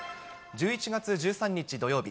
１１月１３日土曜日。